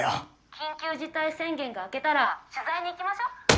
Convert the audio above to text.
緊急事態宣言が明けたら取材に行きましょう。